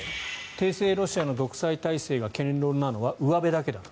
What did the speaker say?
帝政ロシアの独裁体制が堅牢なのはうわべだけだと。